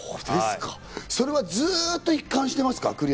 それはずっと一貫してますか？